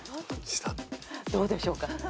どうでしょうか？